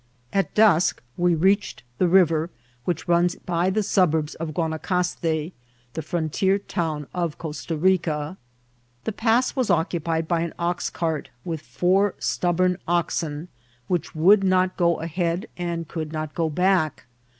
At dusk we reached therhr« 388 XirClDKMTt ov tjiatkl. er which nms by the submrlMi of GnaDacaste, the baor tier town of Costa Rica. The pass was occii^ied by an ox cart, with four stubborn oxen, which would not go ahead and could not go back.